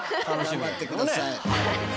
頑張って下さい。